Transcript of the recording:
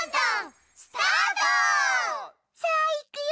さぁいくよ！